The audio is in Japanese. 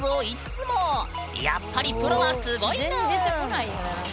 やっぱりプロはすごいぬん！